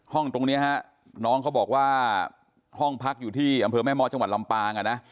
ตรงนี้ฮะน้องเขาบอกว่าห้องพักอยู่ที่อำเภอแม่เมาะจังหวัดลำปางอ่ะนะ